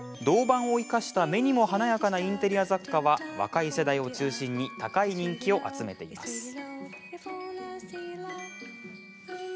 銅板を生かした目にも華やかなインテリア雑貨は若い世代を中心に高い人気を集めています。